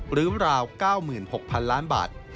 ราว๙๖๐๐๐ล้านบาท